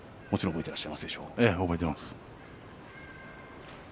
もちろん覚えています。